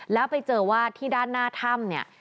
แล้วไปเจอว่าที่ด้านหน้าถ้ำเนี่ย